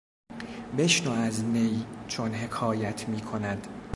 بشنو از نی چون حکایت میکند